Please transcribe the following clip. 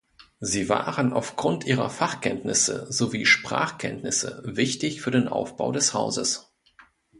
Sie waren aufgrund ihrer Fachkenntnisse sowie Sprachkenntnisse wichtig für den Aufbau des Hauses.